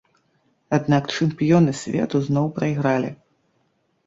Аднак чэмпіёны свету зноў прайгралі!